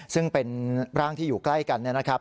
ซึ่งเป็นร่างที่อยู่ใกล้กันนะครับ